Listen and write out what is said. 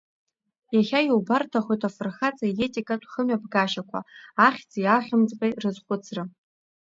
Иаҳа иубарҭахоит афырхаҵа иетикатә хымҩаԥгашьақәа, ахьӡи ахьымӡӷи рызхәыцра.